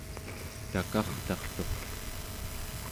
takartartuq